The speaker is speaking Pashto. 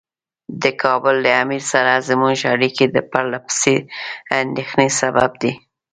د کابل له امیر سره زموږ اړیکې د پرله پسې اندېښنې سبب دي.